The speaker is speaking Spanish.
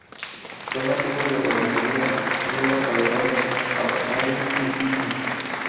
Son nativos de Nueva Guinea, Nueva Caledonia, Australia y Fiyi.